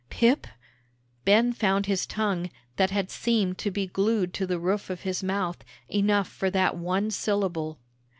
'" "Pip?" Ben found his tongue, that had seemed to be glued to the roof of his mouth, enough for that one syllable.